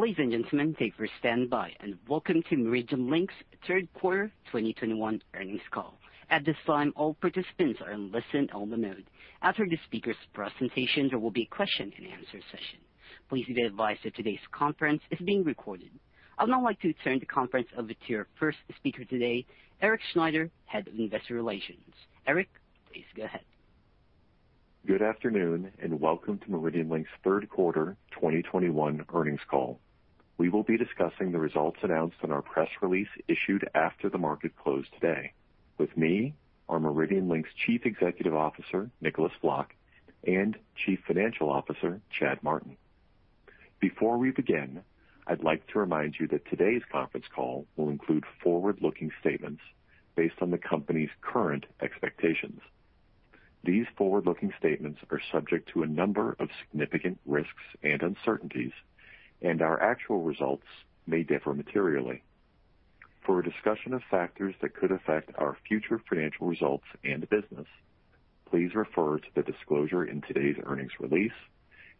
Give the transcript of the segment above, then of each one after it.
Ladies and gentlemen, thank you for standing by, and welcome to MeridianLink's third quarter 2021 earnings call. At this time, all participants are in listen-only mode. After the speakers' presentations, there will be a question-and-answer session. Please be advised that today's conference is being recorded. I would now like to turn the conference over to your first speaker today, Erik Schneider, Head of Investor Relations. Erik, please go ahead. Good afternoon, and welcome to MeridianLink's third quarter 2021 earnings call. We will be discussing the results announced on our press release issued after the market closed today. With me are MeridianLink's Chief Executive Officer, Nicolaas Vlok, and Chief Financial Officer, Chad Martin. Before we begin, I'd like to remind you that today's conference call will include forward-looking statements based on the company's current expectations. These forward-looking statements are subject to a number of significant risks and uncertainties, and our actual results may differ materially. For a discussion of factors that could affect our future financial results and the business, please refer to the disclosure in today's earnings release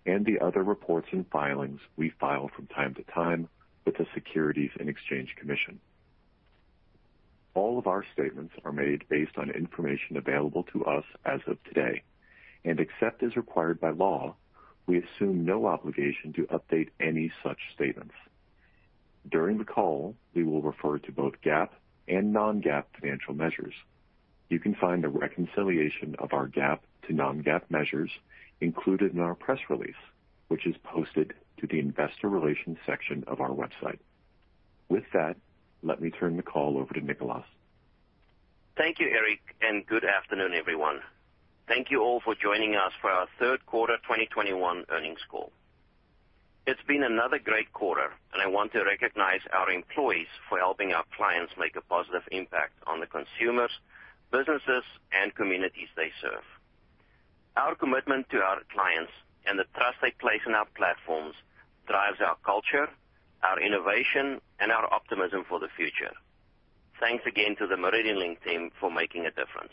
and the other reports and filings we file from time to time with the Securities and Exchange Commission. All of our statements are made based on information available to us as of today, and except as required by law, we assume no obligation to update any such statements. During the call, we will refer to both GAAP and non-GAAP financial measures. You can find a reconciliation of our GAAP to non-GAAP measures included in our press release, which is posted to the investor relations section of our website. With that, let me turn the call over to Nicolaas. Thank you, Erik, and good afternoon, everyone. Thank you all for joining us for our third quarter 2021 earnings call. It's been another great quarter, and I want to recognize our employees for helping our clients make a positive impact on the consumers, businesses, and communities they serve. Our commitment to our clients and the trust they place in our platforms drives our culture, our innovation, and our optimism for the future. Thanks again to the MeridianLink team for making a difference.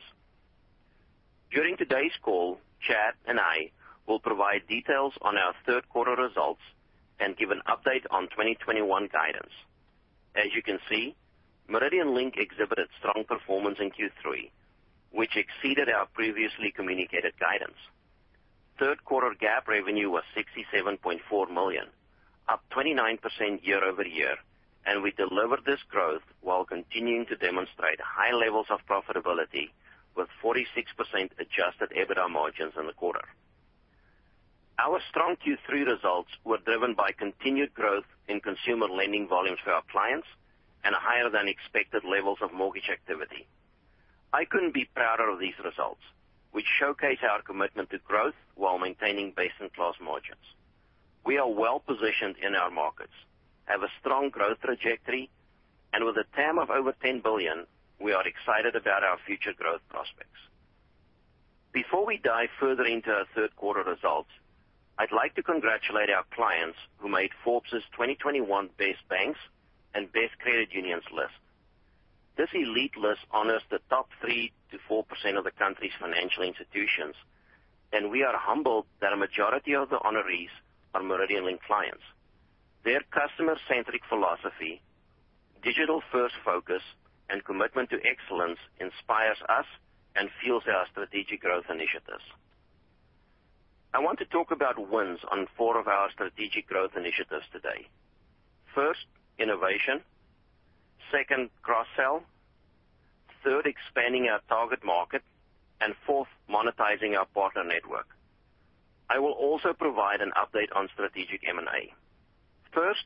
During today's call, Chad and I will provide details on our third quarter results and give an update on 2021 guidance. As you can see, MeridianLink exhibited strong performance in Q3, which exceeded our previously communicated guidance. Third quarter GAAP revenue was $67.4 million, up 29% year-over-year, and we delivered this growth while continuing to demonstrate high levels of profitability with 46% Adjusted EBITDA margins in the quarter. Our strong Q3 results were driven by continued growth in consumer lending volumes for our clients and higher than expected levels of mortgage activity. I couldn't be prouder of these results, which showcase our commitment to growth while maintaining best-in-class margins. We are well-positioned in our markets, have a strong growth trajectory, and with a TAM of over $10 billion, we are excited about our future growth prospects. Before we dive further into our third quarter results, I'd like to congratulate our clients who made Forbes' 2021 Best Banks and Best Credit Unions list. This elite list honors the top 3%-4% of the country's financial institutions, and we are humbled that a majority of the honorees are MeridianLink clients. Their customer-centric philosophy, digital-first focus, and commitment to excellence inspires us and fuels our strategic growth initiatives. I want to talk about wins on four of our strategic growth initiatives today. First, innovation. Second, cross-sell. Third, expanding our target market. Fourth, monetizing our partner network. I will also provide an update on strategic M&A. First,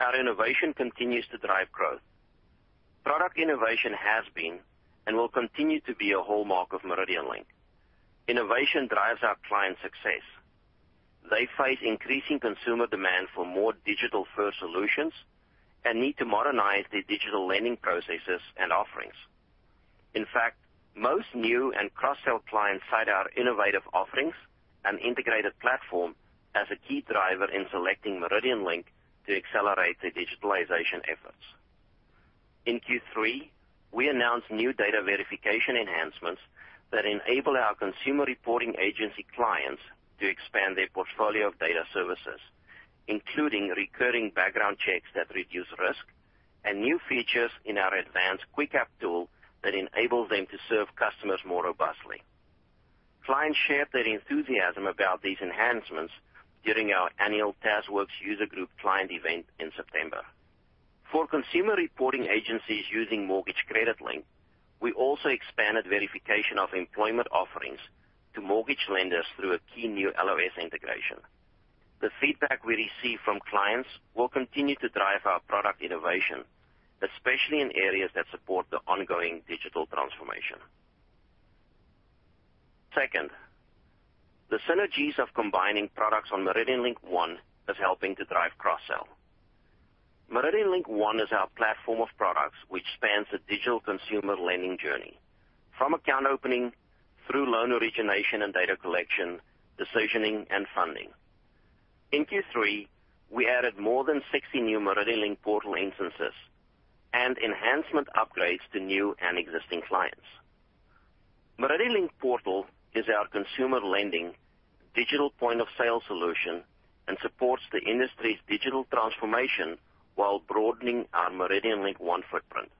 our innovation continues to drive growth. Product innovation has been and will continue to be a hallmark of MeridianLink. Innovation drives our clients' success. They face increasing consumer demand for more digital-first solutions and need to modernize their digital lending processes and offerings. In fact, most new and cross-sell clients cite our innovative offerings and integrated platform as a key driver in selecting MeridianLink to accelerate their digitalization efforts. In Q3, we announced new data verification enhancements that enable our consumer reporting agency clients to expand their portfolio of data services, including recurring background checks that reduce risk and new features in our Advanced QuickApp tool that enable them to serve customers more robustly. Clients shared their enthusiasm about these enhancements during our annual TazWorks user group client event in September. For consumer reporting agencies using Mortgage Credit Link, we also expanded verification of employment offerings to mortgage lenders through a key new LOS integration. The feedback we receive from clients will continue to drive our product innovation, especially in areas that support the ongoing digital transformation. Second, the synergies of combining products on MeridianLink One is helping to drive cross-sell. MeridianLink One is our platform of products which spans the digital consumer lending journey from account opening through loan origination and data collection, decisioning, and funding. In Q3, we added more than 60 new MeridianLink Portal instances and enhancement upgrades to new and existing clients. MeridianLink Portal is our consumer lending digital point of sale solution and supports the industry's digital transformation while broadening our MeridianLink One footprint.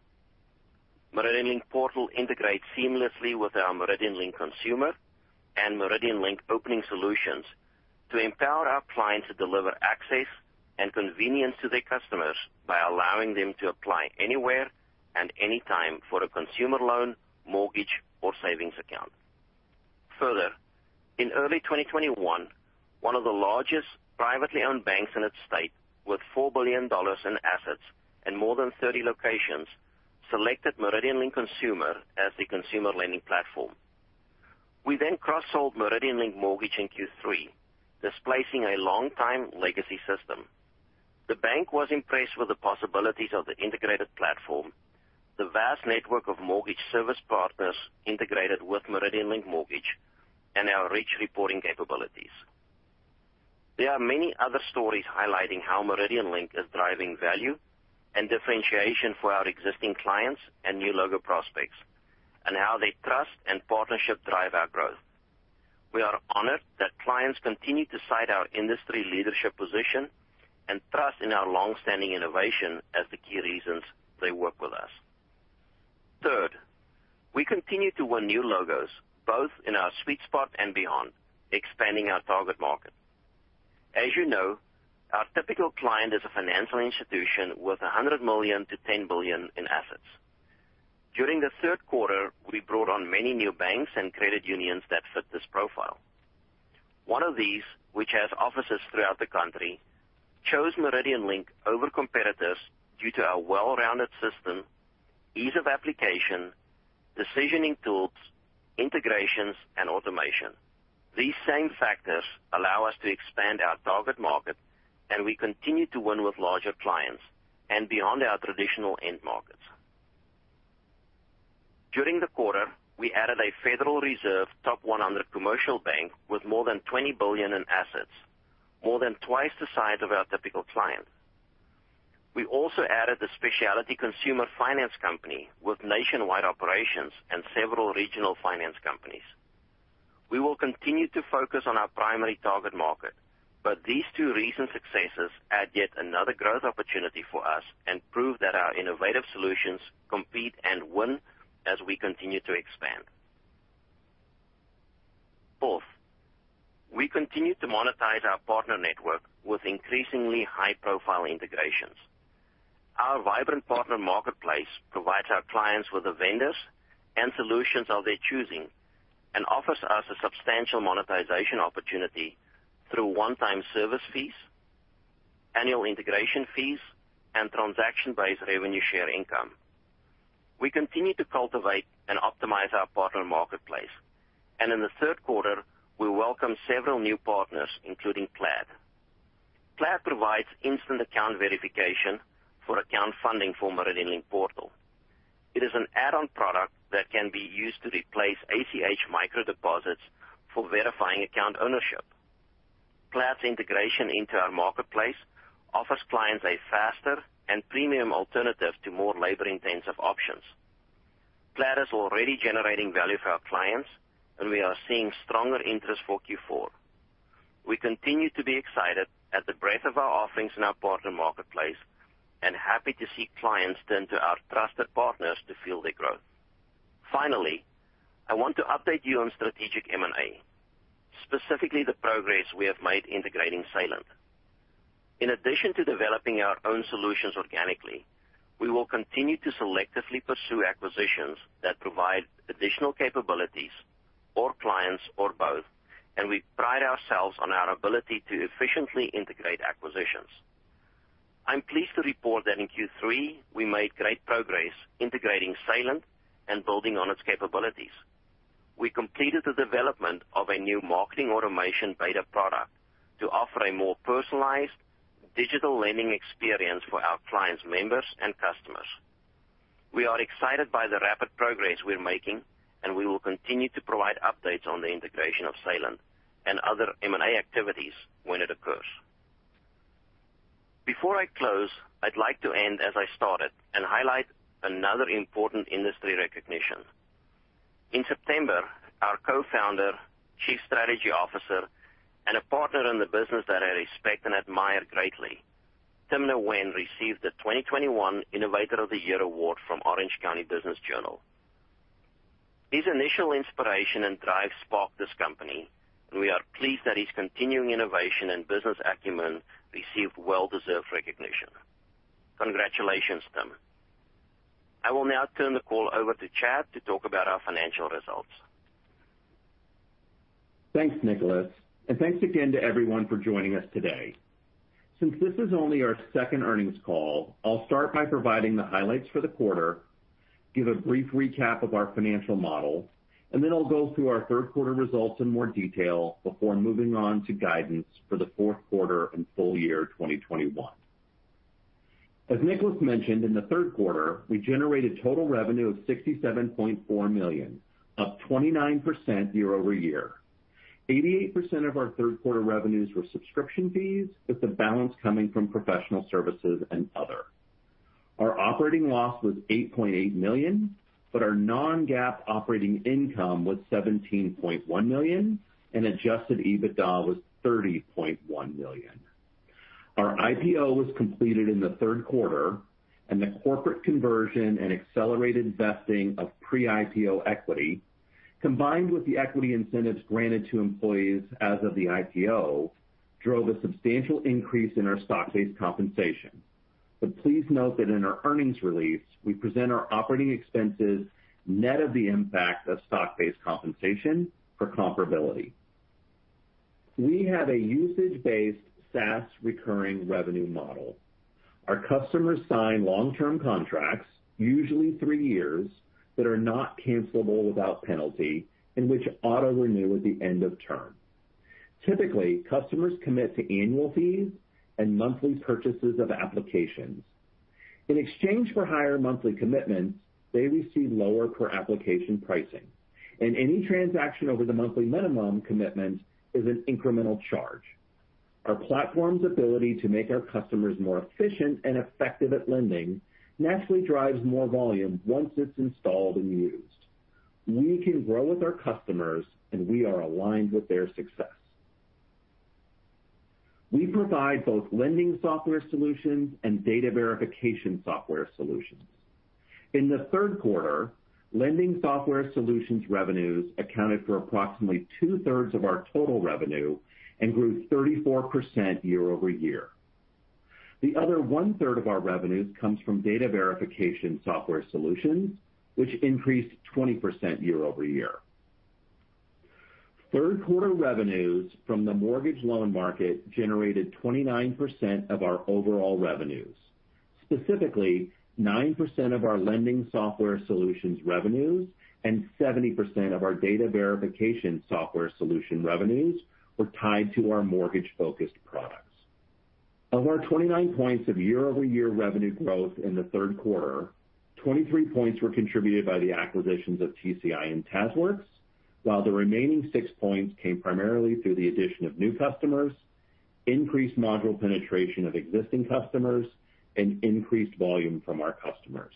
MeridianLink Portal integrates seamlessly with our MeridianLink Consumer and MeridianLink Opening solutions to empower our clients to deliver access and convenience to their customers by allowing them to apply anywhere and anytime for a consumer loan, mortgage or savings account. Further, in early 2021, one of the largest privately owned banks in its state with $4 billion in assets and more than 30 locations selected MeridianLink Consumer as the consumer lending platform. We cross-sold MeridianLink Mortgage in Q3, displacing a long-time legacy system. The bank was impressed with the possibilities of the integrated platform, the vast network of mortgage service partners integrated with MeridianLink Mortgage and our rich reporting capabilities. There are many other stories highlighting how MeridianLink is driving value and differentiation for our existing clients and new logo prospects and how their trust and partnership drive our growth. We are honored that clients continue to cite our industry leadership position and trust in our long-standing innovation as the key reasons they work with us. Third, we continue to win new logos both in our sweet spot and beyond, expanding our target market. As you know, our typical client is a financial institution with $100 million-$10 billion in assets. During the third quarter, we brought on many new banks and credit unions that fit this profile. One of these, which has offices throughout the country, chose MeridianLink over competitors due to our well-rounded system, ease of application, decisioning tools, integrations and automation. These same factors allow us to expand our target market and we continue to win with larger clients and beyond our traditional end markets. During the quarter, we added a Federal Reserve Board top 100 commercial bank with more than $20 billion in assets, more than twice the size of our typical client. We also added a specialty consumer finance company with nationwide operations and several regional finance companies. We will continue to focus on our primary target market, but these two recent successes add yet another growth opportunity for us and prove that our innovative solutions compete and win as we continue to expand. Fourth, we continue to monetize our partner network with increasingly high-profile integrations. Our vibrant partner marketplace provides our clients with the vendors and solutions of their choosing and offers us a substantial monetization opportunity through one-time service fees, annual integration fees and transaction-based revenue share income. We continue to cultivate and optimize our partner marketplace and in the third quarter we welcomed several new partners, including Plaid. Plaid provides instant account verification for account funding for MeridianLink Portal. It is an add-on product that can be used to replace ACH micro deposits for verifying account ownership. Plaid's integration into our marketplace offers clients a faster and premium alternative to more labor-intensive options. Plaid is already generating value for our clients and we are seeing stronger interest for Q4. We continue to be excited at the breadth of our offerings in our partner marketplace and happy to see clients turn to our trusted partners to fuel their growth. Finally, I want to update you on strategic M&A, specifically the progress we have made integrating Saylent. In addition to developing our own solutions organically, we will continue to selectively pursue acquisitions that provide additional capabilities or clients or both, and we pride ourselves on our ability to efficiently integrate acquisitions. I'm pleased to report that in Q3 we made great progress integrating Saylent and building on its capabilities. We completed the development of a new marketing automation beta product to offer a more personalized digital lending experience for our clients' members and customers. We are excited by the rapid progress we're making, and we will continue to provide updates on the integration of Saylent and other M&A activities when it occurs. Before I close, I'd like to end as I started and highlight another important industry recognition. In September, our Co-Founder, Chief Strategy Officer and a partner in the business that I respect and admire greatly, Tim Nguyen, received the 2021 Innovator of the Year Awards from Orange County Business Journal. His initial inspiration and drive sparked this company and we are pleased that his continuing innovation and business acumen received well-deserved recognition. Congratulations, Tim. I will now turn the call over to Chad to talk about our financial results. Thanks, Nicolaas, and thanks again to everyone for joining us today. Since this is only our second earnings call, I'll start by providing the highlights for the quarter, give a brief recap of our financial model, and then I'll go through our third quarter results in more detail before moving on to guidance for the fourth quarter and full year 2021. As Nicolaas mentioned, in the third quarter we generated total revenue of $67.4 million, up 29% year-over-year. 88% of our third quarter revenues were subscription fees with the balance coming from professional services and other. Our operating loss was $8.8 million, but our non-GAAP operating income was $17.1 million and Adjusted EBITDA was $30.1 million. Our IPO was completed in the third quarter and the corporate conversion and accelerated vesting of pre-IPO equity, combined with the equity incentives granted to employees as of the IPO, drove a substantial increase in our stock-based compensation. Please note that in our earnings release, we present our operating expenses net of the impact of stock-based compensation for comparability. We have a usage-based SaaS recurring revenue model. Our customers sign long-term contracts, usually three years, that are not cancelable without penalty and which auto-renew at the end of term. Typically, customers commit to annual fees and monthly purchases of applications. In exchange for higher monthly commitments, they receive lower per-application pricing, and any transaction over the monthly minimum commitment is an incremental charge. Our platform's ability to make our customers more efficient and effective at lending naturally drives more volume once it's installed and used. We can grow with our customers, and we are aligned with their success. We provide both Lending Software Solutions and Data Verification Software Solutions. In the third quarter, Lending Software Solutions revenues accounted for approximately 2/3 of our total revenue and grew 34% year-over-year. The other 1/3 of our revenues comes from Data Verification Software Solutions, which increased 20% year-over-year. Third quarter revenues from the mortgage loan market generated 29% of our overall revenues. Specifically, 9% of our Lending Software Solutions revenues and 70% of our Data Verification Software Solutions revenues were tied to our mortgage-focused products. Of our 29 points of year-over-year revenue growth in the third quarter, 23 points were contributed by the acquisitions of TCI and TazWorks, while the remaining 6 points came primarily through the addition of new customers, increased module penetration of existing customers, and increased volume from our customers.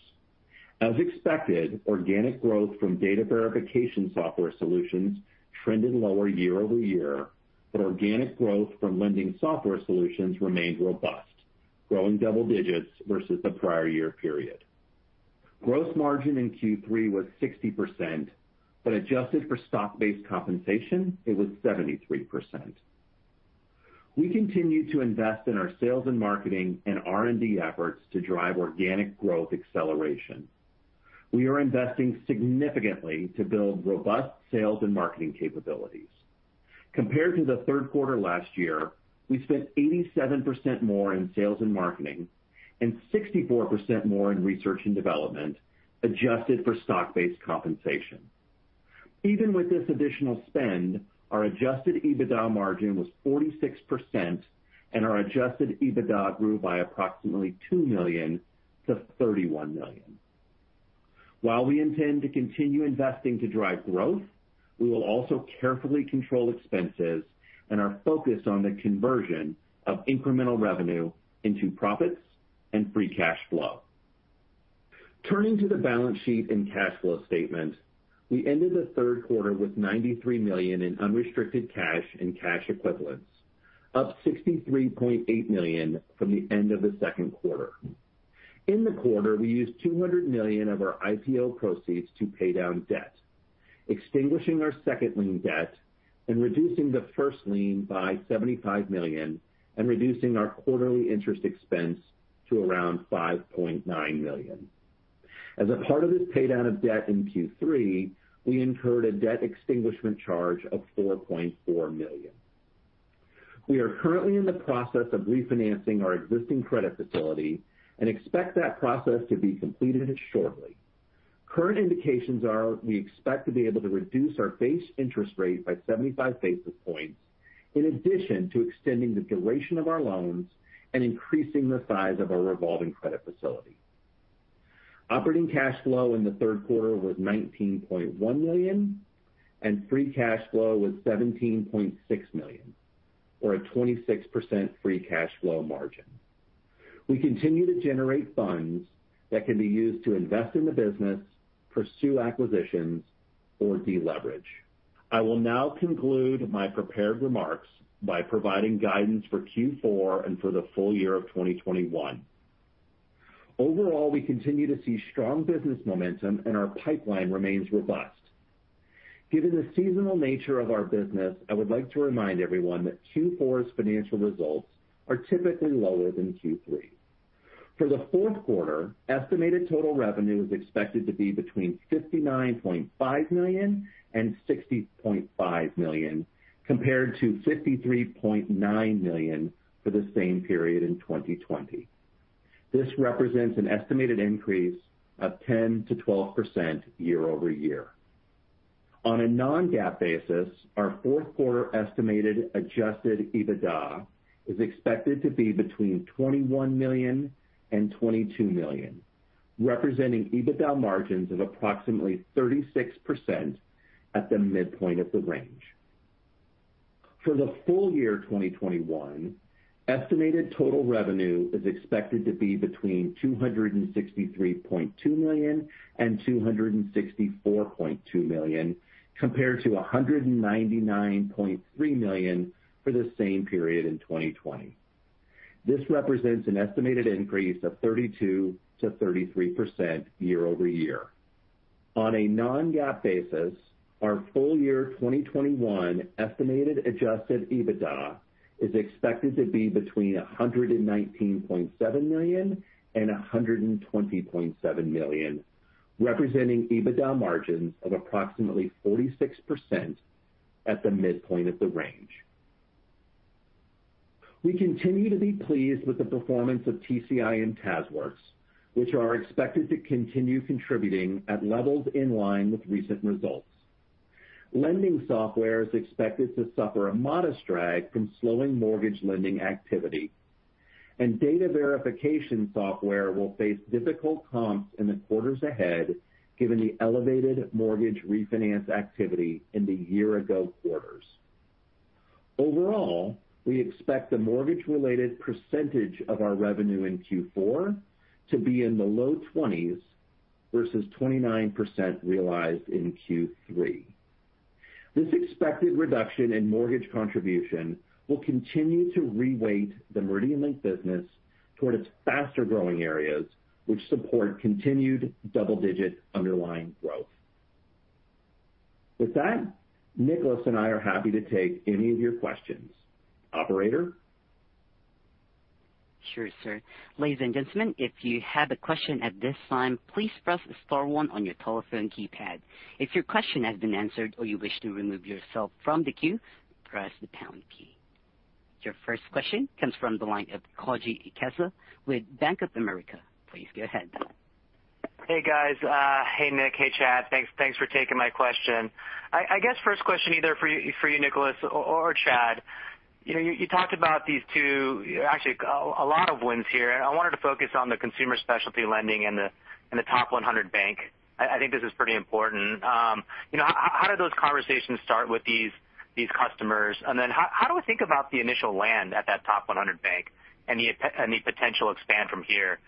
As expected, organic growth from Data Verification Software Solutions trended lower year-over-year, but organic growth from Lending Software Solutions remained robust, growing double digits versus the prior year period. Gross margin in Q3 was 60%, but adjusted for stock-based compensation, it was 73%. We continue to invest in our sales and marketing and R&D efforts to drive organic growth acceleration. We are investing significantly to build robust sales and marketing capabilities. Compared to the third quarter last year, we spent 87% more in sales and marketing and 64% more in research and development, adjusted for stock-based compensation. Even with this additional spend, our Adjusted EBITDA margin was 46% and our Adjusted EBITDA grew by approximately $2 million-$31 million. While we intend to continue investing to drive growth, we will also carefully control expenses and are focused on the conversion of incremental revenue into profits and free cash flow. Turning to the balance sheet and cash flow statement, we ended the third quarter with $93 million in unrestricted cash and cash equivalents, up $63.8 million from the end of the second quarter. In the quarter, we used $200 million of our IPO proceeds to pay down debt, extinguishing our second lien debt and reducing the first lien by $75 million and reducing our quarterly interest expense to around $5.9 million. As a part of this pay down of debt in Q3, we incurred a debt extinguishment charge of $4.4 million. We are currently in the process of refinancing our existing credit facility and expect that process to be completed shortly. Current indications are we expect to be able to reduce our base interest rate by 75 basis points in addition to extending the duration of our loans and increasing the size of our revolving credit facility. Operating cash flow in the third quarter was $19.1 million, and free cash flow was $17.6 million, or a 26% free cash flow margin. We continue to generate funds that can be used to invest in the business, pursue acquisitions, or deleverage. I will now conclude my prepared remarks by providing guidance for Q4 and for the full year of 2021. Overall, we continue to see strong business momentum and our pipeline remains robust. Given the seasonal nature of our business, I would like to remind everyone that Q4's financial results are typically lower than Q3. For the fourth quarter, estimated total revenue is expected to be between $59.5 million and $60.5 million, compared to $53.9 million for the same period in 2020. This represents an estimated increase of 10%-12% year-over-year. On a non-GAAP basis, our fourth quarter estimated Adjusted EBITDA is expected to be between $21 million and $22 million, representing EBITDA margins of approximately 36% at the midpoint of the range. For the full year 2021, estimated total revenue is expected to be between $263.2 million and $264.2 million, compared to $199.3 million for the same period in 2020. This represents an estimated increase of 32%-33% year-over-year. On a non-GAAP basis, our full year 2021 estimated Adjusted EBITDA is expected to be between $119.7 million and $120.7 million, representing EBITDA margins of approximately 46% at the midpoint of the range. We continue to be pleased with the performance of TCI and TazWorks, which are expected to continue contributing at levels in line with recent results. Lending Software Solutions is expected to suffer a modest drag from slowing mortgage lending activity, and Data Verification Software Solutions will face difficult comps in the quarters ahead given the elevated mortgage refinance activity in the year-ago quarters. Overall, we expect the mortgage-related percentage of our revenue in Q4 to be in the low 20s versus 29% realized in Q3. This expected reduction in mortgage contribution will continue to re-weight the MeridianLink business toward its faster-growing areas, which support continued double-digit underlying growth. With that, Nicolaas and I are happy to take any of your questions. Operator? Sure, sir. Ladies and gentlemen, if you have a question at this time, please press star one on your telephone keypad. If your question has been answered or you wish to remove yourself from the queue, press the pound key. Your first question comes from the line of Koji Ikeda with Bank of America. Please go ahead. Hey, guys. Hey, Nicolaas. Hey, Chad. Thanks for taking my question. I guess first question either for you, Nicolaas or Chad. You know, you talked about these two. Actually, a lot of wins here. I wanted to focus on the consumer specialty lending and the top 100 bank. I think this is pretty important. You know, how did those conversations start with these customers? Then how do we think about the initial land at that top 100 bank and the potential expand from here?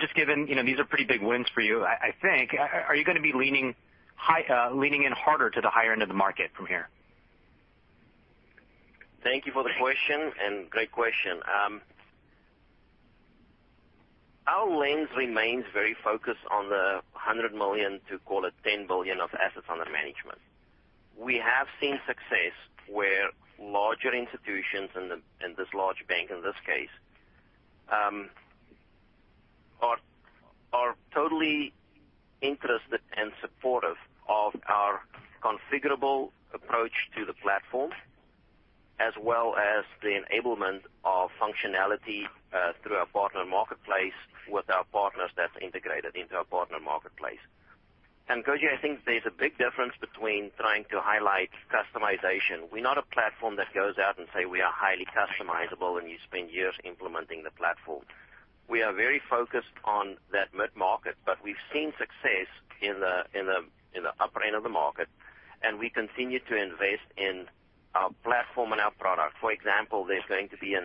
Just given, you know, these are pretty big wins for you, I think, are you gonna be leaning in harder to the higher end of the market from here? Thank you for the question, great question. Our lens remains very focused on the $100 million to, call it $10 billion of assets under management. We have seen success where larger institutions and this large bank in this case are totally interested and supportive of our configurable approach to the platform, as well as the enablement of functionality through our partner marketplace with our partners that's integrated into our partner marketplace. Koji, I think there's a big difference between trying to highlight customization. We're not a platform that goes out and say we are highly customizable, and you spend years implementing the platform. We are very focused on that mid-market, but we've seen success in the upper end of the market, and we continue to invest in our platform and our product. For example, there's going to be a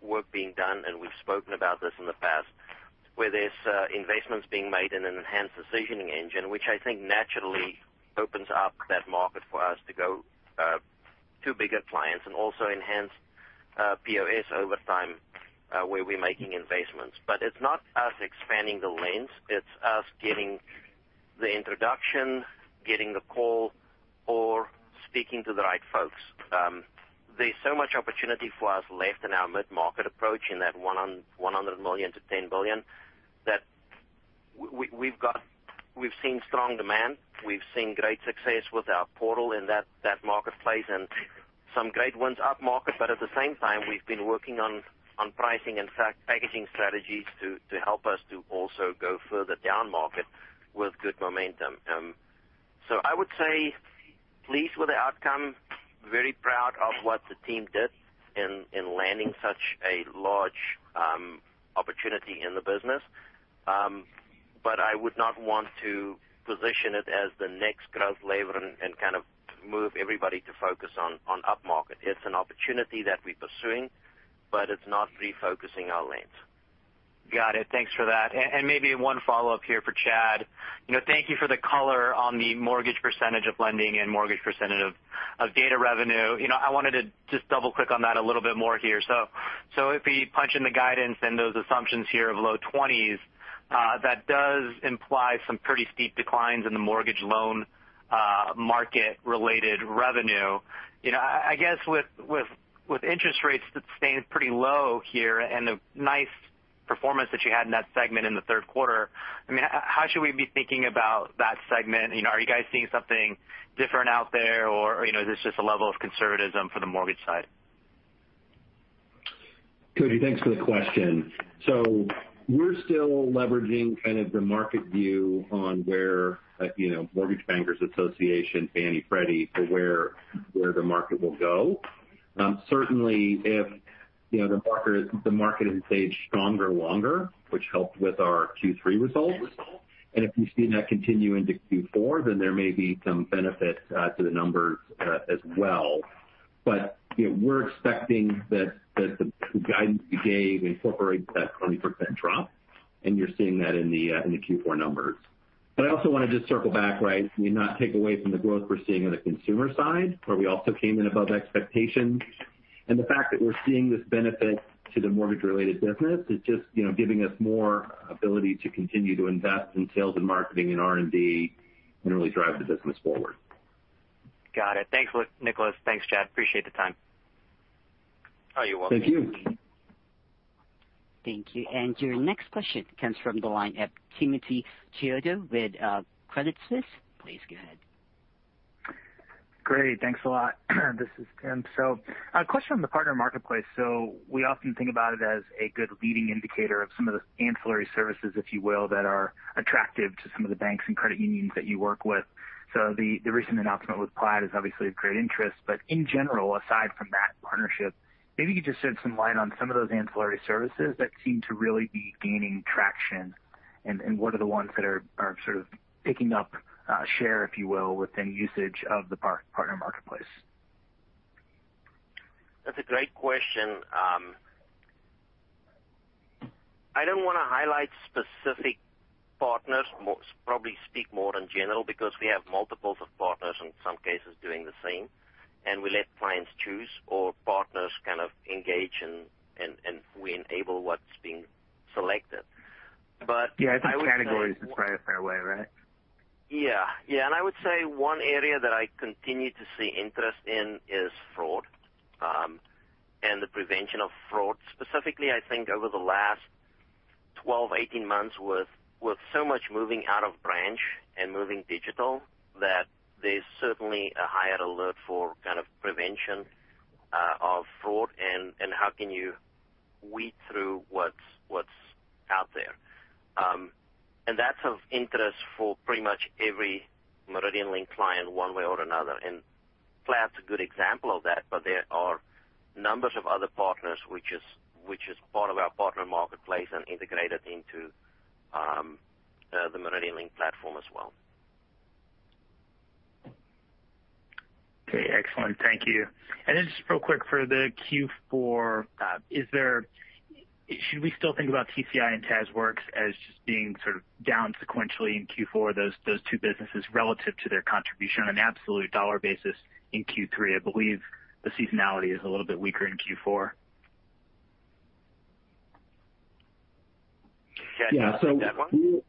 work being done, and we've spoken about this in the past, where there's investments being made in an enhanced decisioning engine, which I think naturally opens up that market for us to go to bigger clients and also enhance POS over time, where we're making investments. But it's not us expanding the lens, it's us getting the introduction, getting the call, or speaking to the right folks. There's so much opportunity for us left in our mid-market approach in that $100 million-$10 billion that we've seen strong demand. We've seen great success with our portal in that marketplace and some great wins up market. At the same time, we've been working on pricing and repackaging strategies to help us also go further down market with good momentum. I would say pleased with the outcome, very proud of what the team did in landing such a large opportunity in the business. I would not want to position it as the next growth lever and kind of move everybody to focus on up-market. It's an opportunity that we're pursuing, but it's not refocusing our lens. Got it. Thanks for that. Maybe one follow-up here for Chad. You know, thank you for the color on the mortgage percentage of lending and mortgage percentage of data revenue. You know, I wanted to just double-click on that a little bit more here. If we punch in the guidance and those assumptions here of low 20s, that does imply some pretty steep declines in the mortgage loan market-related revenue. You know, I guess with interest rates staying pretty low here and the nice performance that you had in that segment in the third quarter, I mean, how should we be thinking about that segment? You know, are you guys seeing something different out there? You know, is this just a level of conservatism for the mortgage side? Koji, thanks for the question. We're still leveraging kind of the market view on where, you know, Mortgage Bankers Association, Fannie Mae, Freddie Mac, for where the market will go. Certainly if, you know, the market had stayed stronger longer, which helped with our Q3 results, and if we see that continue into Q4, then there may be some benefit to the numbers as well. You know, we're expecting that the guidance we gave incorporates that 20% drop, and you're seeing that in the Q4 numbers. I also want to just circle back, right, we don't take away from the growth we're seeing on the consumer side, where we also came in above expectations. The fact that we're seeing this benefit to the mortgage-related business is just, you know, giving us more ability to continue to invest in sales and marketing and R&D and really drive the business forward. Got it. Thanks, Nicolaas. Thanks, Chad. Appreciate the time. Oh, you're welcome. Thank you. Thank you. Your next question comes from the line of Timothy Chiodo with Credit Suisse. Please go ahead. Great. Thanks a lot. This is Timothy. A question on the partner marketplace. We often think about it as a good leading indicator of some of the ancillary services, if you will, that are attractive to some of the banks and credit unions that you work with. The recent announcement with Plaid is obviously of great interest. In general, aside from that partnership, maybe you could just shed some light on some of those ancillary services that seem to really be gaining traction, and what are the ones that are sort of picking up share, if you will, within usage of the partner marketplace. That's a great question. I don't wanna highlight specific partners. Probably speak more in general because we have multiples of partners in some cases doing the same. We let clients choose or partners kind of engage and we enable what's being selected. I would say Yeah, I think categories is probably a fair way, right? Yeah. Yeah, I would say one area that I continue to see interest in is fraud and the prevention of fraud. Specifically, I think over the last 12-18 months with so much moving out of branch and moving digital, that there's certainly a higher alert for kind of prevention of fraud and how can you weed through what's out there. That's of interest for pretty much every MeridianLink client one way or another. Plaid's a good example of that, but there are numbers of other partners which is part of our partner marketplace and integrated into the MeridianLink platform as well. Okay, excellent. Thank you. Just real quick for the Q4, should we still think about TCI and TazWorks as just being sort of down sequentially in Q4, those two businesses, relative to their contribution on an absolute dollar basis in Q3? I believe the seasonality is a little bit weaker in Q4. Yeah. Chad, do you want to take that one?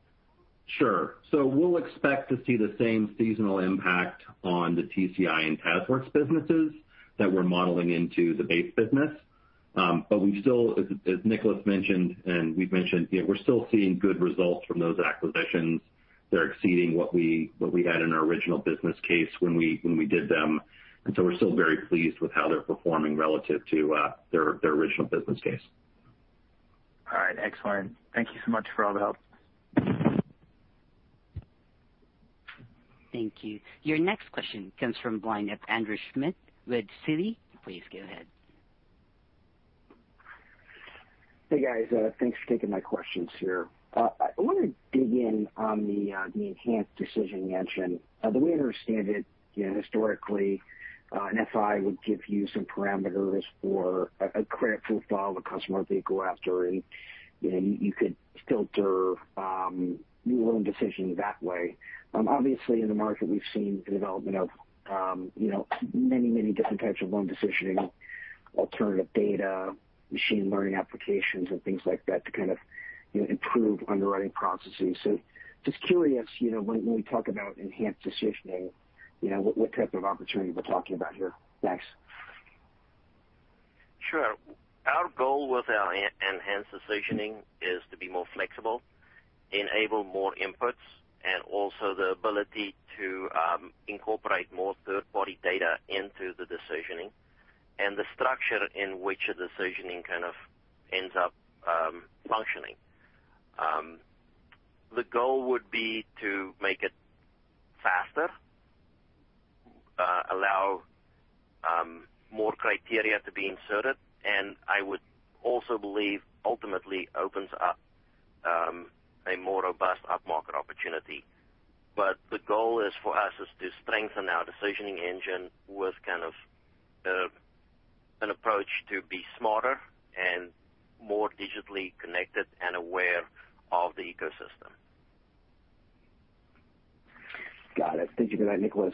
Sure. We'll expect to see the same seasonal impact on the TCI and TazWorks businesses that we're modeling into the base business. We still, as Nicolaas mentioned, and we've mentioned, you know, we're still seeing good results from those acquisitions. They're exceeding what we had in our original business case when we did them. We're still very pleased with how they're performing relative to their original business case. All right. Excellent. Thank you so much for all the help. Thank you. Your next question comes from the line of Andrew Schmidt with Citi. Please go ahead. Hey, guys. Thanks for taking my questions here. I wanted to dig in on the enhanced decisioning engine. The way I understand it, you know, historically, NFI would give you some parameters for a credit profile of a customer they go after, and, you know, you could filter your loan decision that way. Obviously in the market, we've seen the development of, you know, many different types of loan decisioning, alternative data, machine learning applications, and things like that to kind of, you know, improve underwriting processes. Just curious, you know, when we talk about enhanced decisioning, you know, what type of opportunity are we talking about here? Thanks. Sure. Our goal with our enhanced decisioning is to be more flexible, enable more inputs, and also the ability to incorporate more third-party data into the decisioning and the structure in which the decisioning kind of ends up functioning. The goal would be to make it faster, allow more criteria to be inserted, and I would also believe ultimately opens up a more robust up-market opportunity. The goal is for us is to strengthen our decisioning engine with kind of an approach to be smarter and more digitally connected and aware of the ecosystem. Got it. Thank you for that, Nicolaas.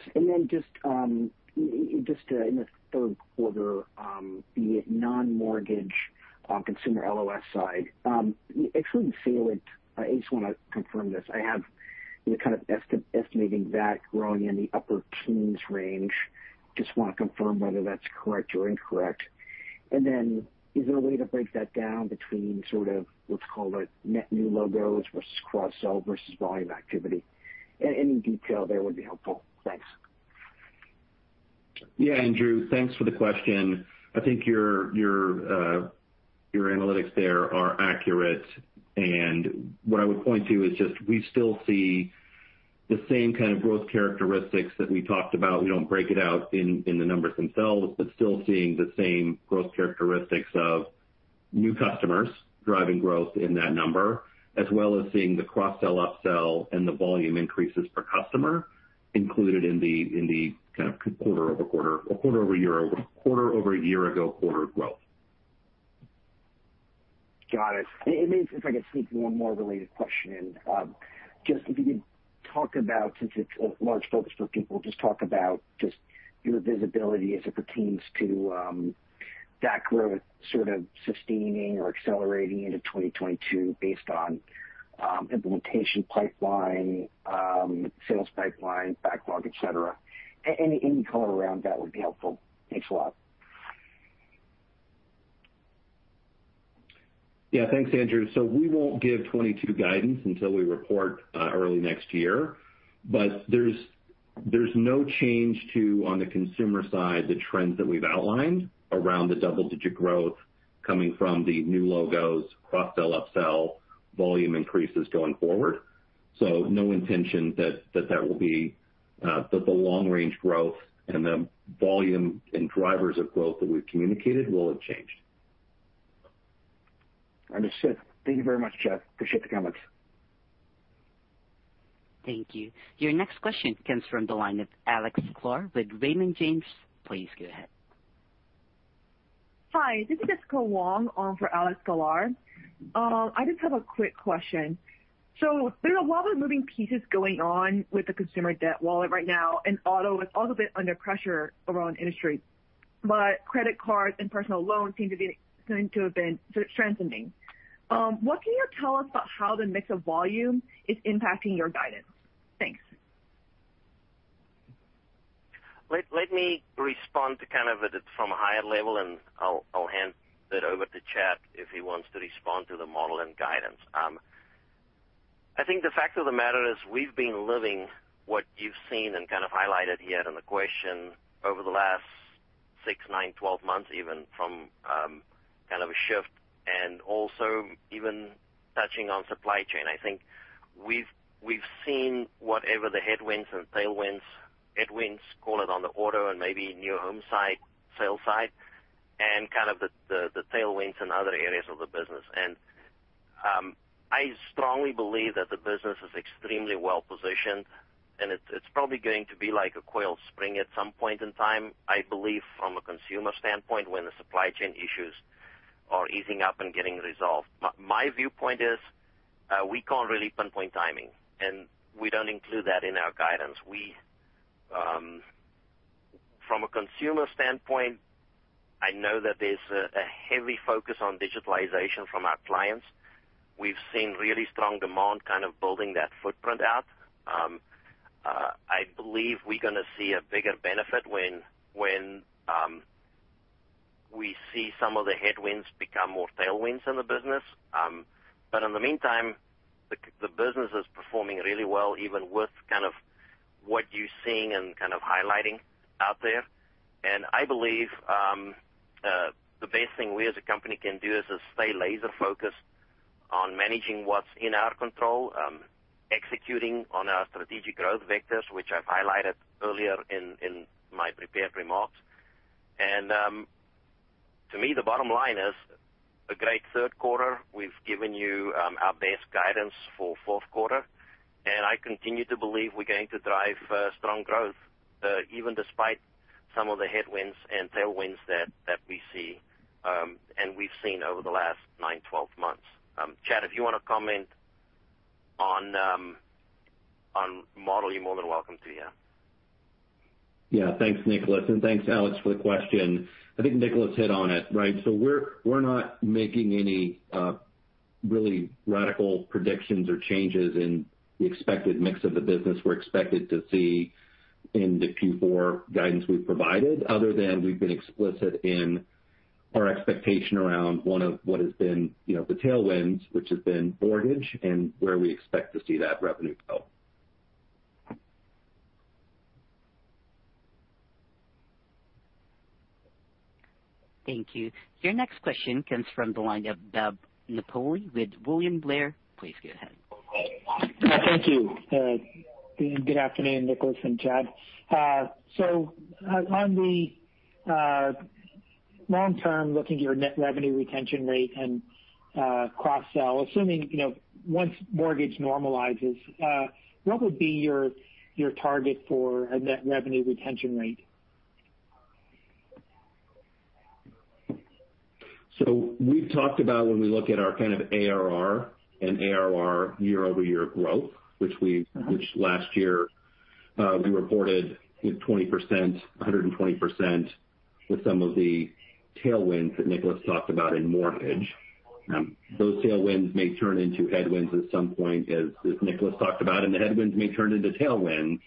Just in the third quarter, the non-mortgage consumer LOS side, actually, I just wanna confirm this. I have kind of estimating that growing in the upper teens range. Just wanna confirm whether that's correct or incorrect. Is there a way to break that down between sort of what's called, like, net new logos versus cross-sell versus volume activity? Any detail there would be helpful. Thanks. Yeah, Andrew, thanks for the question. I think your analytics there are accurate. What I would point to is just we still see the same kind of growth characteristics that we talked about. We don't break it out in the numbers themselves, but still seeing the same growth characteristics of new customers driving growth in that number, as well as seeing the cross-sell, up-sell and the volume increases per customer included in the kind of quarter-over-quarter or quarter-over-year quarter-over-year-ago quarter growth. Got it. Maybe if I could sneak one more related question in. Just if you could talk about, since it's a large focus for people, just talk about just your visibility as it pertains to that growth sort of sustaining or accelerating into 2022 based on implementation pipeline, sales pipeline, backlog, et cetera. Any color around that would be helpful. Thanks a lot. Yeah, thanks, Andrew. We won't give 2022 guidance until we report early next year. There's no change to, on the consumer side, the trends that we've outlined around the double-digit growth coming from the new logos, cross-sell, up-sell, volume increases going forward. No intention that that will be, that the long-range growth and the volume and drivers of growth that we've communicated will have changed. Understood. Thank you very much, Chad. Appreciate the comments. Thank you. Your next question comes from the line of Alex Sklar with Raymond James. Please go ahead. Hi, this is Jessica Wang on for Alex Sklar. I just have a quick question. There's a lot of moving pieces going on with the consumer debt wallet right now, and auto is also a bit under pressure around industry. Credit cards and personal loans seem to have been strengthening. What can you tell us about how the mix of volume is impacting your guidance? Thanks. Let me respond to kind of it from a higher level, and I'll hand it over to Chad if he wants to respond to the model and guidance. I think the fact of the matter is we've been living what you've seen and kind of highlighted here in the question over the last six, nine, 12 months, even from kind of a shift and also even touching on supply chain. I think we've seen whatever the headwinds and tailwinds. Headwinds call it on the auto and maybe new home side, sales side, and kind of the tailwinds in other areas of the business. I strongly believe that the business is extremely well-positioned, and it's probably going to be like a coiled spring at some point in time, I believe, from a consumer standpoint when the supply chain issues are easing up and getting resolved. My viewpoint is, we can't really pinpoint timing, and we don't include that in our guidance. From a consumer standpoint, I know that there's a heavy focus on digitalization from our clients. We've seen really strong demand kind of building that footprint out. I believe we're gonna see a bigger benefit when we see some of the headwinds become more tailwinds in the business. In the meantime, the business is performing really well, even with kind of what you're seeing and kind of highlighting out there. I believe the best thing we as a company can do is to stay laser focused on managing what's in our control, executing on our strategic growth vectors, which I've highlighted earlier in my prepared remarks. To me, the bottom line is a great third quarter. We've given you our best guidance for fourth quarter, and I continue to believe we're going to drive strong growth even despite some of the headwinds and tailwinds that we see and we've seen over the last nine, 12 months. Chad, if you wanna comment on model, you're more than welcome to, yeah. Yeah. Thanks, Nicolaas. Thanks, Alex, for the question. I think Nicolaas hit on it, right? We're not making any really radical predictions or changes in the expected mix of the business we're expected to see in the Q4 guidance we've provided, other than we've been explicit in our expectation around one of what has been, you know, the tailwinds, which has been mortgage and where we expect to see that revenue go. Thank you. Your next question comes from the line of Bob Napoli with William Blair. Please go ahead. Thank you. Good afternoon, Nicolaas and Chad. On the long term, looking at your net revenue retention rate and cross-sell, assuming you know once mortgage normalizes, what would be your target for a net revenue retention rate? We've talked about when we look at our kind of ARR year-over-year growth, which we Mm-hmm. Which last year we reported 20%, 120% with some of the tailwinds that Nicolaas talked about in mortgage. Those tailwinds may turn into headwinds at some point, as Nicolaas talked about, and the headwinds may turn into tailwinds.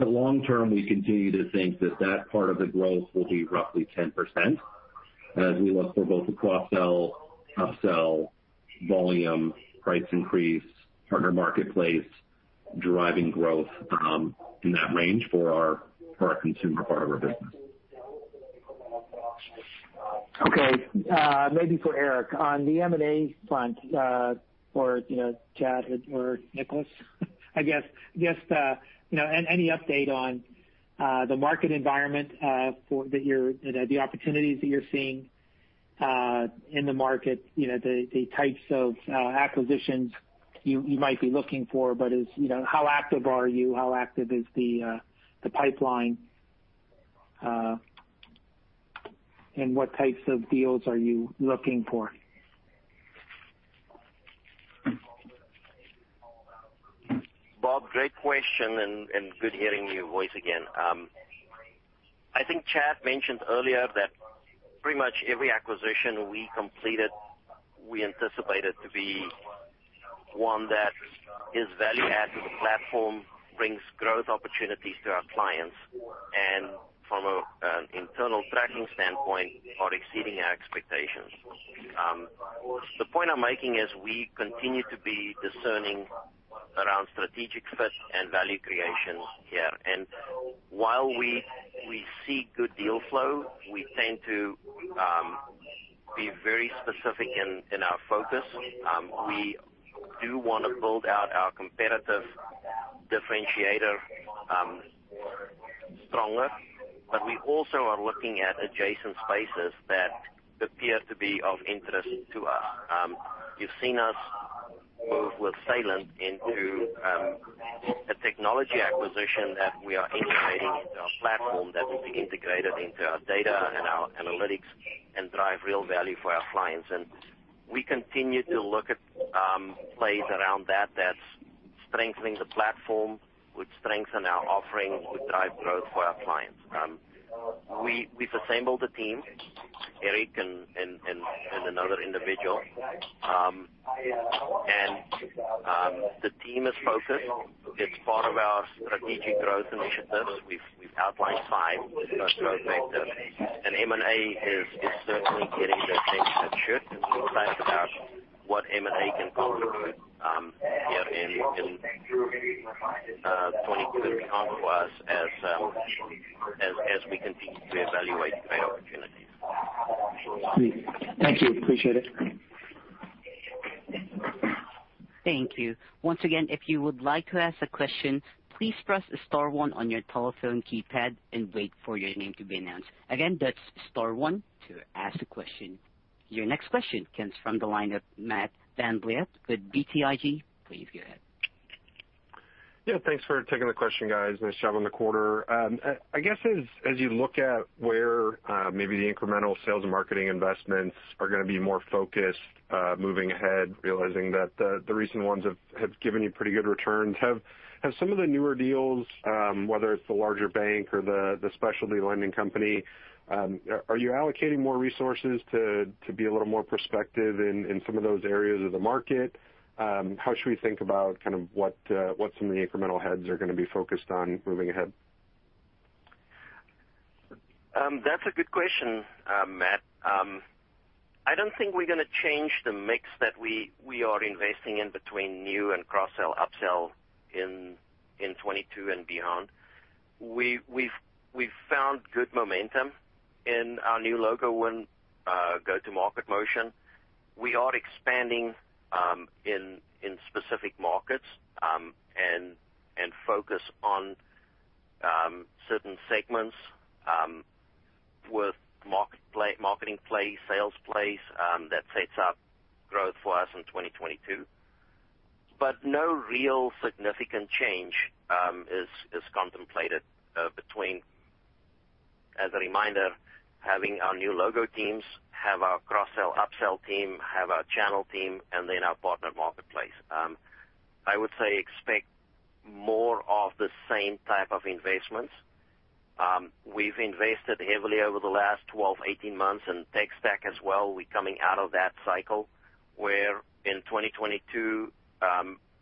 Long term, we continue to think that that part of the growth will be roughly 10%. As we look for both the cross-sell, up-sell, volume, price increase, partner marketplace. Driving growth, in that range for our consumer part of our business. Okay. Maybe for Erik. On the M&A front, you know, Chad or Nicolaas, I guess. I guess, you know, any update on the market environment for the opportunities that you're seeing in the market, you know, the types of acquisitions you might be looking for, but, you know, how active are you? How active is the pipeline? And what types of deals are you looking for? Bob, great question, and good hearing your voice again. I think Chad mentioned earlier that pretty much every acquisition we completed, we anticipated to be one that is value add to the platform, brings growth opportunities to our clients from an internal tracking standpoint, are exceeding our expectations. The point I'm making is we continue to be discerning around strategic fit and value creation here. While we see good deal flow, we tend to be very specific in our focus. We do wanna build out our competitive differentiator stronger, but we also are looking at adjacent spaces that appear to be of interest to us. You've seen us move with Saylent into a technology acquisition that we are integrating into our platform, that will be integrated into our data and our analytics and drive real value for our clients. We continue to look at plays around that that's strengthening the platform, would strengthen our offerings, would drive growth for our clients. We've assembled a team, Erik and another individual. The team is focused. It's part of our strategic growth initiatives. We've outlined five growth vectors, and M&A is certainly getting the attention it should. Excited about what M&A can contribute here in 2022 for us as we continue to evaluate M&A opportunities. Great. Thank you. Appreciate it. Thank you. Once again, if you would like to ask a question, please press star one on your telephone keypad and wait for your name to be announced. Again, that's star one to ask a question. Your next question comes from the line of Matt VanVliet with BTIG. Please go ahead. Yeah, thanks for taking the question, guys. Nice job on the quarter. I guess as you look at where maybe the incremental sales and marketing investments are gonna be more focused moving ahead, realizing that the recent ones have given you pretty good returns. Have some of the newer deals, whether it's the larger bank or the specialty lending company, are you allocating more resources to be a little more prospective in some of those areas of the market? How should we think about kind of what some of the incremental heads are gonna be focused on moving ahead? That's a good question, Matt. I don't think we're gonna change the mix that we are investing in between new and cross-sell, upsell in 2022 and beyond. We've found good momentum in our new logo and go-to-market motion. We are expanding in specific markets and focus on certain segments with marketing plays, sales plays that sets up growth for us in 2022. No real significant change is contemplated between, as a reminder, having our new logo teams, our cross-sell, upsell team, our channel team, and then our partner marketplace. I would say expect more of the same type of investments. We've invested heavily over the last 12, 18 months in tech stack as well. We're coming out of that cycle where in 2022,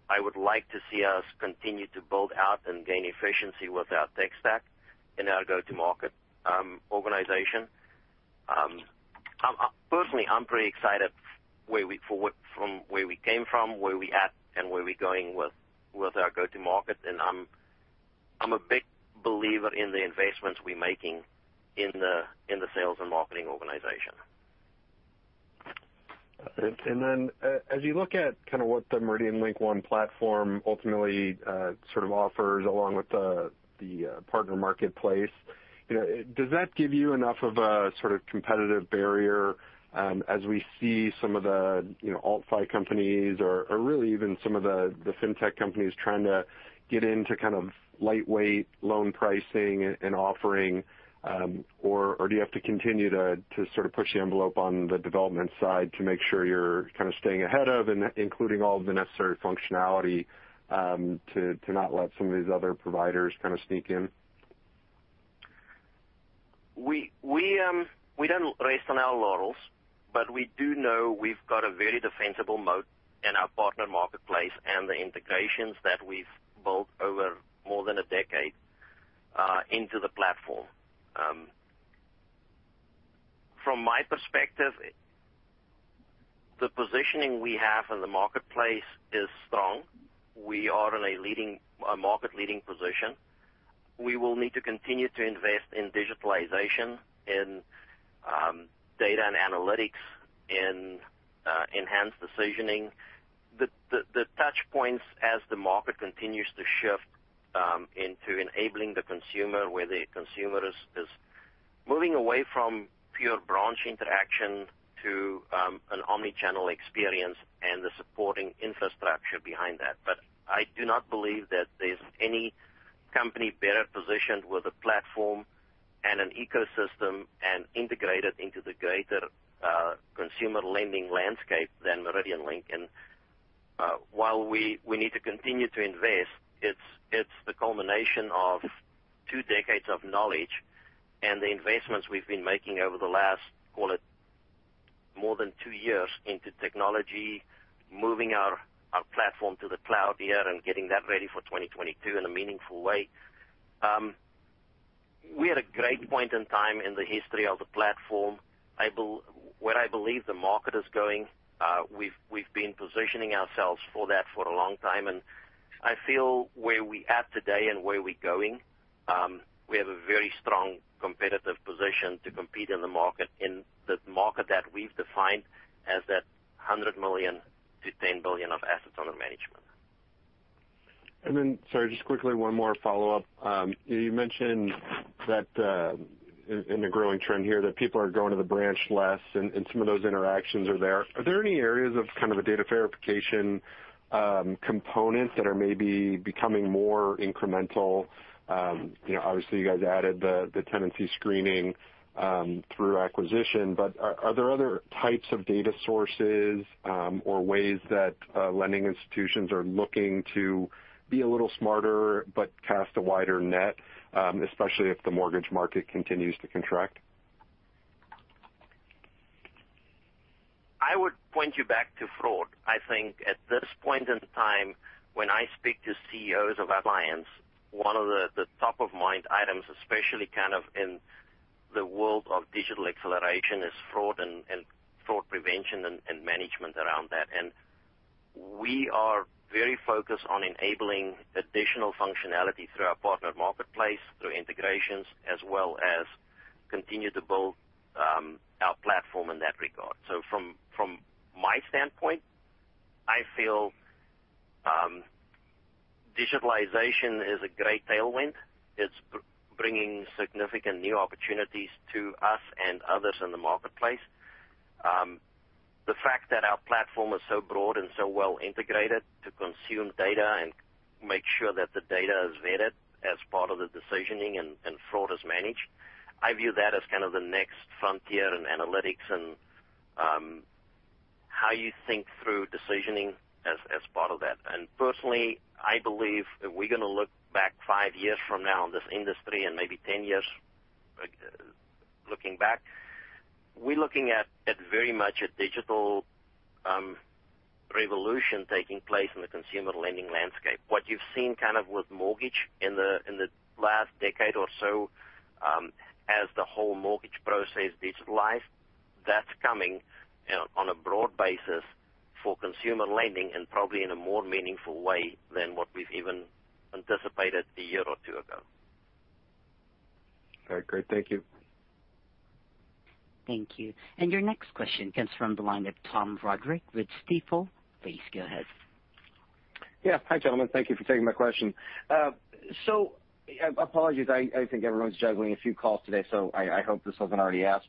I would like to see us continue to build out and gain efficiency with our tech stack and our go-to-market organization. Personally, I'm pretty excited from where we came from, where we're at, and where we're going with our go-to-market. I'm a big believer in the investments we're making in the sales and marketing organization. As you look at kinda what the MeridianLink One platform ultimately sort of offers along with the partner marketplace, you know, does that give you enough of a sort of competitive barrier, as we see some of the, you know, alt-fi companies or really even some of the fintech companies trying to get into kind of lightweight loan pricing and offering, or do you have to continue to sort of push the envelope on the development side to make sure you're kinda staying ahead of and including all of the necessary functionality, to not let some of these other providers kinda sneak in? We don't rest on our laurels, but we do know we've got a very defensible moat in our partner marketplace and the integrations that we've built over more than a decade into the platform. From my perspective, the positioning we have in the marketplace is strong. We are in a market leading position. We will need to continue to invest in digitalization, in data and analytics, in enhanced decisioning, the touch points as the market continues to shift into enabling the consumer where the consumer is moving away from pure branch interaction to an omni-channel experience and the supporting infrastructure behind that. I do not believe that there's any company better positioned with a platform and an ecosystem and integrated into the greater consumer lending landscape than MeridianLink. While we need to continue to invest, it's the culmination of two decades of knowledge and the investments we've been making over the last, call it, more than two years into technology, moving our platform to the cloud here and getting that ready for 2022 in a meaningful way. We're at a great point in time in the history of the platform. I believe where the market is going, we've been positioning ourselves for that for a long time. I feel where we at today and where we're going, we have a very strong competitive position to compete in the market that we've defined as that $100 million-$10 billion of assets under management. Sorry, just quickly, one more follow-up. You mentioned that in the growing trend here, that people are going to the branch less and some of those interactions are there. Are there any areas of kind of a data verification component that are maybe becoming more incremental? You know, obviously you guys added the tenant screening through acquisition, but are there other types of data sources or ways that lending institutions are looking to be a little smarter but cast a wider net, especially if the mortgage market continues to contract? I would point you back to fraud. I think at this point in time, when I speak to CEOs of alliances, one of the top-of-mind items, especially kind of in the world of digital acceleration, is fraud and fraud prevention and management around that. We are very focused on enabling additional functionality through our partner marketplace, through integrations, as well as continue to build our platform in that regard. From my standpoint, I feel digitalization is a great tailwind. It's bringing significant new opportunities to us and others in the marketplace. The fact that our platform is so broad and so well integrated to consume data and make sure that the data is vetted as part of the decisioning and fraud is managed, I view that as kind of the next frontier in analytics and how you think through decisioning as part of that. Personally, I believe if we're gonna look back five years from now in this industry and maybe ten years looking back, we're looking at very much a digital revolution taking place in the consumer lending landscape. What you've seen kind of with mortgage in the last decade or so, as the whole mortgage process digitalized, that's coming on a broad basis for consumer lending and probably in a more meaningful way than what we've even anticipated a year or two ago. Very great. Thank you. Thank you. Your next question comes from the line of Tom Roderick with Stifel. Please go ahead. Yeah. Hi, gentlemen. Thank you for taking my question. Apologies, I think everyone's juggling a few calls today, so I hope this wasn't already asked.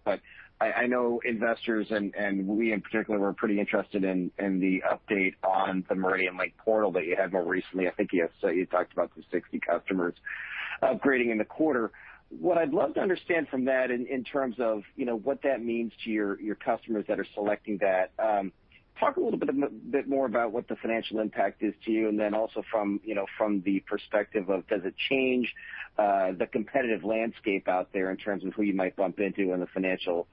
I know investors and we in particular were pretty interested in the update on the MeridianLink Portal that you had more recently. I think you had said you talked about some 60 customers upgrading in the quarter. What I'd love to understand from that in terms of, you know, what that means to your customers that are selecting that. Talk a little bit more about what the financial impact is to you, and then also from, you know, from the perspective of does it change the competitive landscape out there in terms of who you might bump into in the financial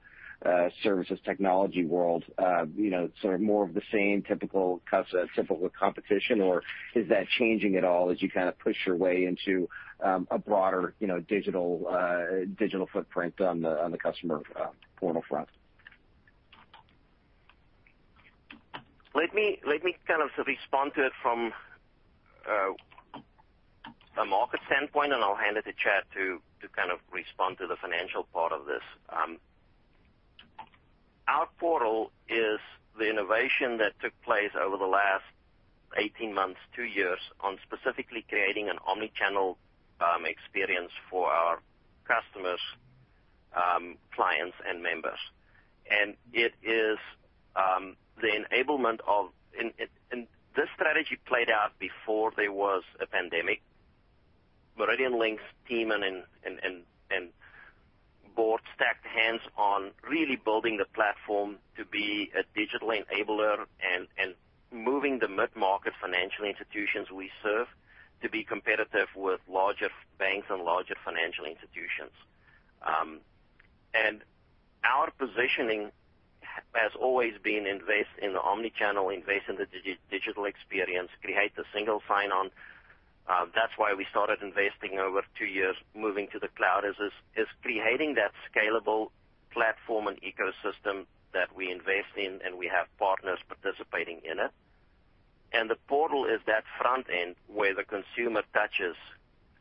services technology world? You know, sort of more of the same typical competition? Or is that changing at all as you kind of push your way into a broader, you know, digital footprint on the customer portal front? Let me kind of respond to it from a market standpoint, and I'll hand it to Chad to kind of respond to the financial part of this. Our portal is the innovation that took place over the last 18 months, two years, on specifically creating an omni-channel experience for our customers, clients and members. It is the enablement of this strategy played out before there was a pandemic. MeridianLink's team and board shook hands on really building the platform to be a digital enabler and moving the mid-market financial institutions we serve to be competitive with larger banks and larger financial institutions. Our positioning has always been invest in the omni-channel, invest in the digital experience, create the single sign-on. That's why we started investing over two years moving to the cloud is creating that scalable platform and ecosystem that we invest in, and we have partners participating in it. The portal is that front end where the consumer touches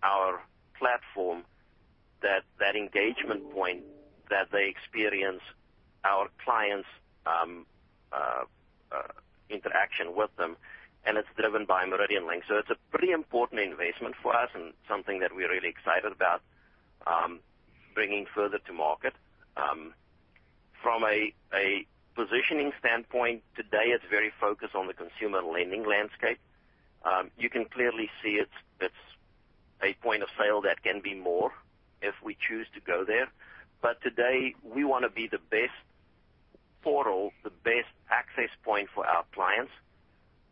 our platform, that engagement point that they experience our clients' interaction with them, and it's driven by MeridianLink. It's a pretty important investment for us and something that we're really excited about bringing further to market. From a positioning standpoint, today, it's very focused on the consumer lending landscape. You can clearly see it's a point of sale that can be more if we choose to go there. Today, we wanna be the best portal, the best access point for our clients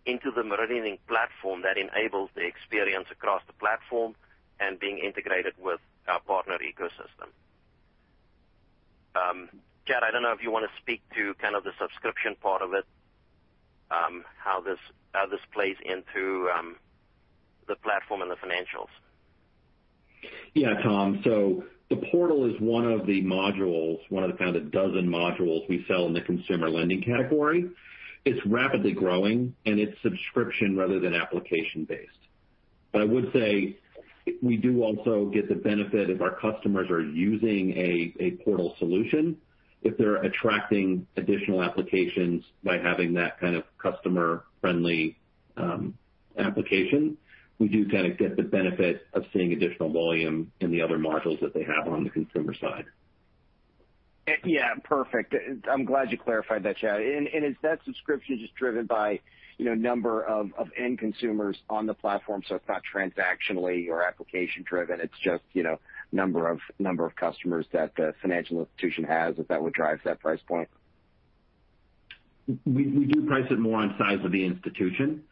into the MeridianLink platform that enables the experience across the platform and being integrated with our partner ecosystem. Chad, I don't know if you wanna speak to kind of the subscription part of it, how this plays into, the platform and the financials. Yeah, Tom. The portal is one of the modules, one of the kind of dozen modules we sell in the consumer lending category. It's rapidly growing, and it's subscription rather than application-based. But I would say we do also get the benefit if our customers are using a portal solution, if they're attracting additional applications by having that kind of customer-friendly application, we do kinda get the benefit of seeing additional volume in the other modules that they have on the consumer side. Yeah, perfect. I'm glad you clarified that, Chad. Is that subscription just driven by, you know, number of end consumers on the platform, so it's not transactionally or application driven? It's just, you know, number of customers that the financial institution has, is that what drives that price point? We do price it more on size of the institution,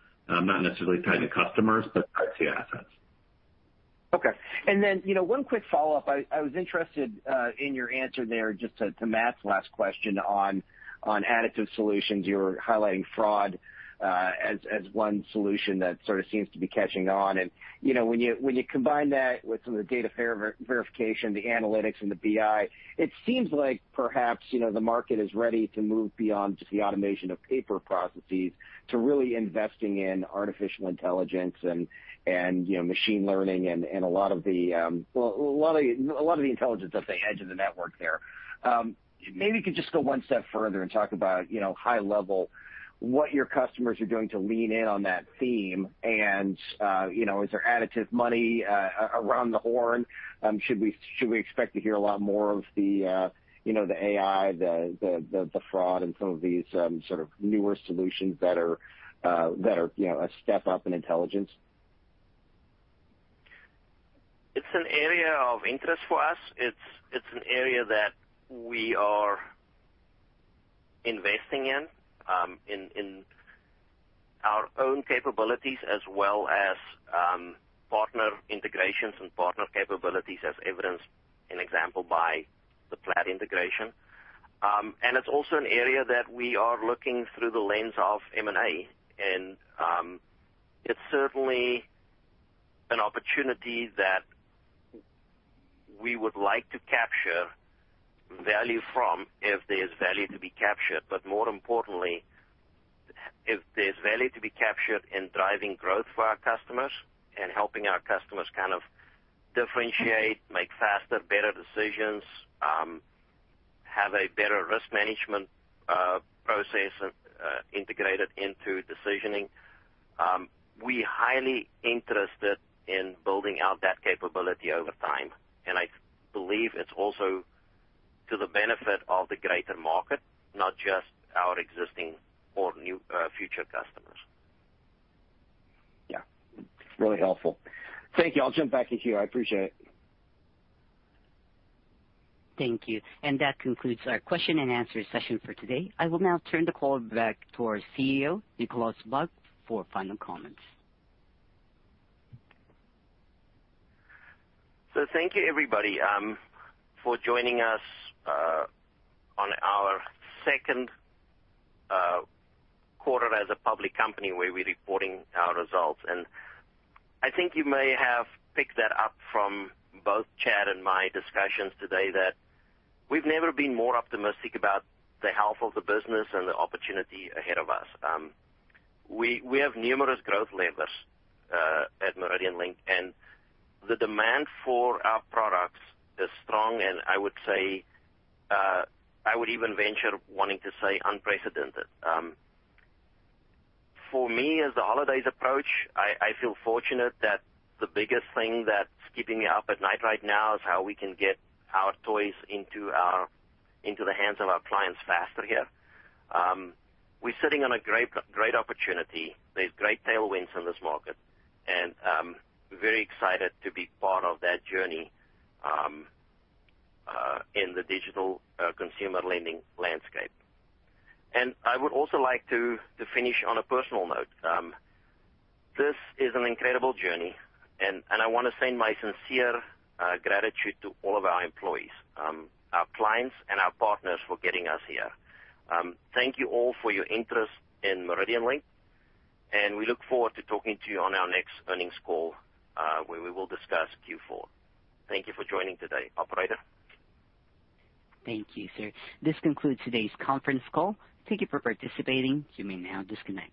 not necessarily tied to customers, but tied to assets. Okay. You know, one quick follow-up. I was interested in your answer there just to Matt's last question on additive solutions. You were highlighting fraud as one solution that sort of seems to be catching on. You know, when you combine that with some of the data verification, the analytics and the BI, it seems like perhaps, you know, the market is ready to move beyond just the automation of paper processes to really investing in artificial intelligence and, you know, machine learning and a lot of the intelligence at the edge of the network there. Maybe you could just go one step further and talk about, you know, high level, what your customers are doing to lean in on that theme. You know, is there additive money around the horn? Should we expect to hear a lot more of the, you know, the AI, the fraud and some of these sort of newer solutions that are, you know, a step up in intelligence? It's an area of interest for us. It's an area that we are investing in our own capabilities as well as partner integrations and partner capabilities as evidenced by an example, the Plaid integration. It's also an area that we are looking through the lens of M&A. It's certainly an opportunity that we would like to capture value from if there's value to be captured. More importantly, if there's value to be captured in driving growth for our customers and helping our customers kind of differentiate, make faster, better decisions, have a better risk management process integrated into decisioning, we are highly interested in building out that capability over time, and I believe it's also to the benefit of the greater market, not just our existing or new, future customers. Yeah. Really helpful. Thank you. I'll jump back in queue. I appreciate it. Thank you. That concludes our question-and-answer session for today. I will now turn the call back to our CEO, Nicolaas Vlok, for final comments. Thank you, everybody, for joining us on our second quarter as a public company where we're reporting our results. I think you may have picked that up from both Chad and my discussions today that we've never been more optimistic about the health of the business and the opportunity ahead of us. We have numerous growth levers at MeridianLink, and the demand for our products is strong, and I would say I would even venture wanting to say unprecedented. For me, as the holidays approach, I feel fortunate that the biggest thing that's keeping me up at night right now is how we can get our toys into the hands of our clients faster here. We're sitting on a great opportunity. There're great tailwinds in this market, and very excited to be part of that journey in the digital consumer lending landscape. I would also like to finish on a personal note. This is an incredible journey, and I wanna send my sincere gratitude to all of our employees, our clients, and our partners for getting us here. Thank you all for your interest in MeridianLink, and we look forward to talking to you on our next earnings call, where we will discuss Q4. Thank you for joining today. Operator? Thank you, sir. This concludes today's conference call. Thank you for participating. You may now disconnect.